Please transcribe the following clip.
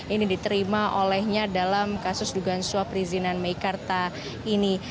ini diterima olehnya dalam kasus dugaan suap perizinan meikarta ini